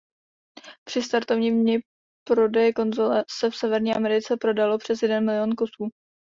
Při startovním dni prodeje konzole se v Severní Americe prodalo přes jeden milion kusů.